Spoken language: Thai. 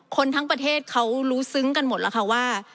คนทั้งประเทศเขารู้ซึ้งกันหมดแล้วค่ะว่า